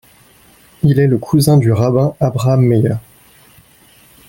Il est le cousin du rabbin Abraham Meyer.